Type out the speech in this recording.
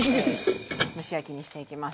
蒸し焼きにしていきます。